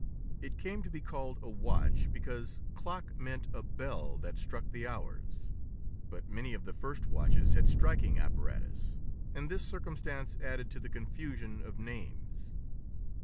It came to be called a watch because clock meant a bell that struck the hours. But many of the first watches had striking apparatus, and this circumstance added to the confusion of names.